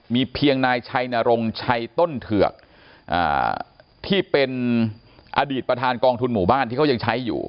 มีเพียงนายชัยนรงชัยต้นเถือกที่เป็นอดีตประธานกองทุนหมู่บ้านที่เขายังใช้อยู่